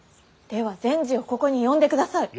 では善児をここに呼んでください。